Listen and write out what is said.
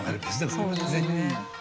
そうですね。